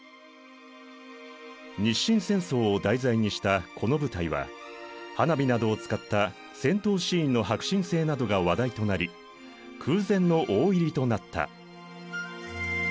日清戦争を題材にしたこの舞台は花火などを使った戦闘シーンの迫真性などが話題となり空前の大入りとなった。